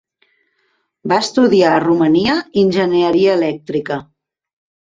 Va estudiar a Romania enginyeria elèctrica.